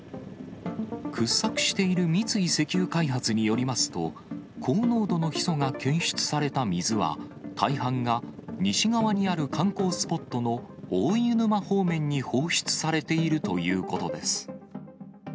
掘削している三井石油開発によりますと、高濃度のヒ素が検出された水は、大半が西側にある観光スポットの大湯沼方面に放出されているということです。